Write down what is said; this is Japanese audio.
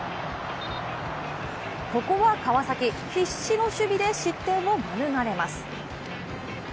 ここは川崎、必死の守備で失点を免れます。